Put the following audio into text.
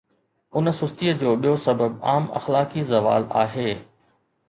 ان سستيءَ جو ٻيو سبب عام اخلاقي زوال آهي.